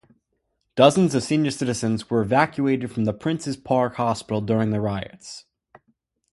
Dozens of senior citizens were evacuated from the Princes Park Hospital during the riots.